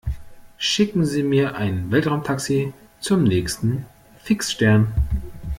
Schicken Sie mir ein Weltraumtaxi zum nächsten Fixstern!